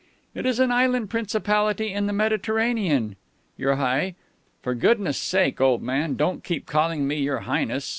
"It is an island principality in the Mediterranean, Your High " "For goodness' sake, old man, don't keep calling me 'Your Highness.'